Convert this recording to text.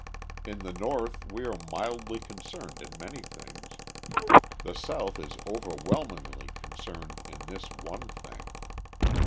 In the North we are mildly concerned in many things; the South is overwhelmingly concerned in this one thing.